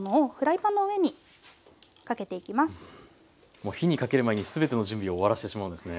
もう火にかける前に全ての準備を終わらしてしまうんですね。